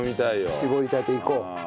搾りたていこう。